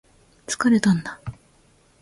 疲れたんだ